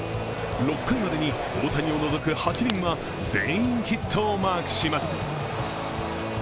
６回までに大谷を除く８人は、全員ヒットをマークします。